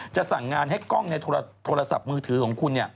จะสั่งงานให้กล้องในโทรศัพท์มือถือของคุณ